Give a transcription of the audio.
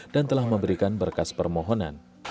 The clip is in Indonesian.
dan telah memberikan berkas permohonan